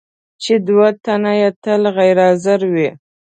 چې دوه تنه یې تل غیر حاضر وي.